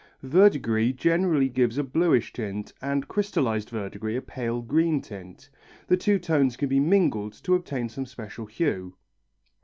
Verdigris generally gives a bluish tint and crystallized verdigris a pale green tint. The two tones can be mingled to obtain some special hue.